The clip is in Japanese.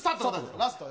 ラストよ。